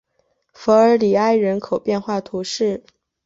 弗尔里埃人口变化图示